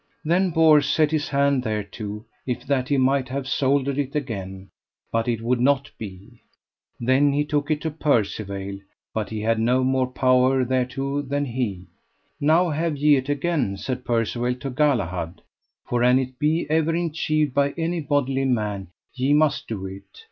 Then Bors set his hand thereto, if that he might have soldered it again; but it would not be. Then he took it to Percivale, but he had no more power thereto than he. Now have ye it again, said Percivale to Galahad, for an it be ever enchieved by any bodily man ye must do it.